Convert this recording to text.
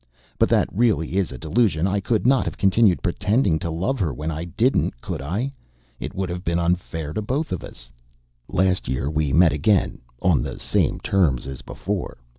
But that really is a "delusion." I could not have continued pretending to love her when I didn't; could I? It would have been unfair to us both. Last year we met again on the same terms as before.